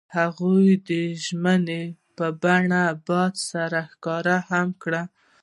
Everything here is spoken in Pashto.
هغوی د ژمنې په بڼه باد سره ښکاره هم کړه.